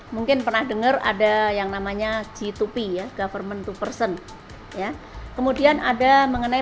mungkin pernah dengar ada yang namanya g dua p ya government to person ya kemudian ada mengenai